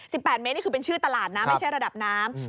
แปดเมตรนี่คือเป็นชื่อตลาดนะไม่ใช่ระดับน้ำอืม